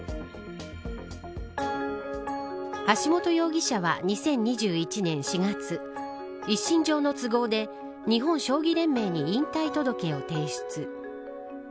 橋本容疑者は２０２１年４月一身上の都合で日本将棋連盟に引退届を提出。